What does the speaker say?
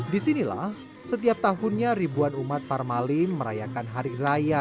disinilah setiap tahunnya ribuan umat parmalim merayakan hari raya